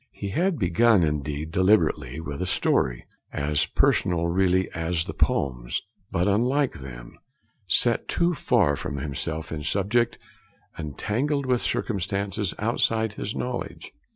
He had begun, indeed, deliberately, with a story, as personal really as the poems, but, unlike them, set too far from himself in subject and tangled with circumstances outside his knowledge.